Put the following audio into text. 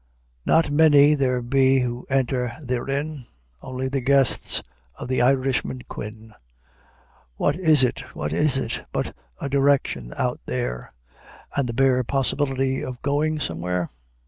Not many there be Who enter therein, Only the guests of the Irishman Quin. What is it, what is it, But a direction out there, And the bare possibility Of going somewhere?